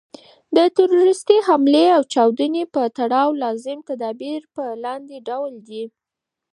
د تروریستي حملې او چاودني په تړاو لازم تدابیر په لاندي ډول دي.